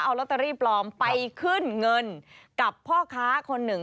เอาลอตเตอรี่ปลอมไปขึ้นเงินกับพ่อค้าคนหนึ่ง